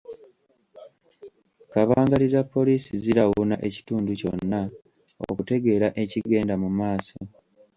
Kabangali za poliisi zirawuna ekitundu kyonna okutegeera ekigenda mu maaso.